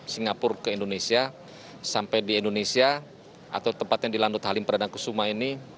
singapura ke indonesia sampai di indonesia atau tempatnya di lanut halim perdana kusuma ini